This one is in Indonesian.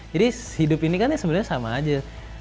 jadi hidup ini kan sebenarnya sama aja